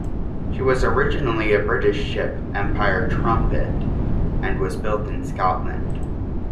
She was originally a British ship, "Empire Trumpet", and was built in Scotland.